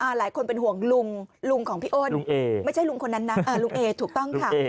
หลายคนเป็นห่วงลุงลุงของพี่อ้นไม่ใช่ลุงคนนั้นนะลุงเอถูกต้องค่ะ